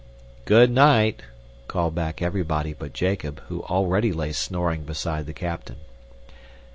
"Good night," called back everybody but Jacob, who already lay snoring beside the captain.